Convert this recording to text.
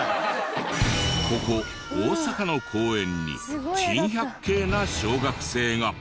ここ大阪の公園に珍百景な小学生が。